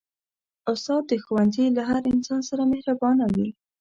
استاد د ښوونځي له هر انسان سره مهربانه وي.